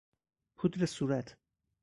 پودر صورت